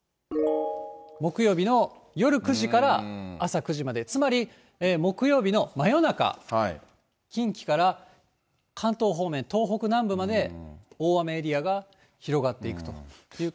木曜日の夜９時から朝９時まで、つまり木曜日の真夜中、近畿から関東方面、東北南部まで、大雨エリアが広がっていくという。